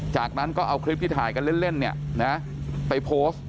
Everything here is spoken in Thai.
จากนั้นก็เอาคลิปที่ถ่ายกันเล่นไปโพสต์